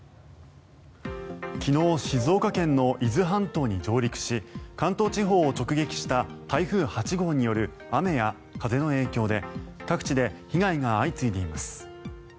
昨日静岡県の伊豆半島に上陸し関東地方を直撃した台風８号による雨や風の影響で各地で被害が相次いでいます。